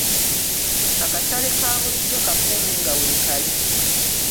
Akatale aka bulijjo kakuume nga weekali.